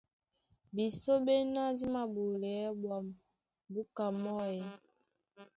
Bisɔ́ ɓéná dí māɓolɛɛ́ ɓwǎm̀ búka mɔ́ e?